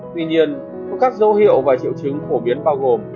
tuy nhiên có các dấu hiệu và triệu chứng phổ biến bao gồm